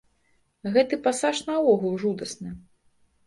Гэты пасаж наогул жудасны.